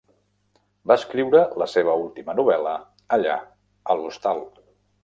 Va escriure la seva última novel·la allà, a l'hostal.